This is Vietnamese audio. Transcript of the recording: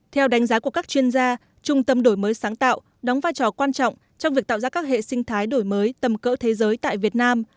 theo đánh giá của các chuyên gia trung tâm đổi mới sáng tạo đóng vai trò quan trọng trong việc tạo ra các hệ sinh thái đổi mới tầm cỡ thế giới tại việt nam